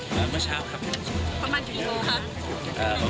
โปรดติดตามตอนต่อไป